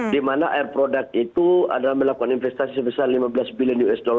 di mana air product itu adalah melakukan investasi sebesar lima belas billion usd